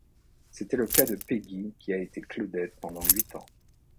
C'était le cas de Peggy qui a été Claudette pendant huit ans.